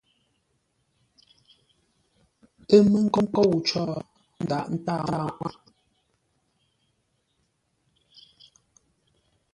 Ə́ mə́ nkôu có, ə́ ndaghʼ ńtâa ŋwâʼ.